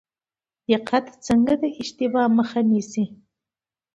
دقت څنګه د اشتباه مخه نیسي؟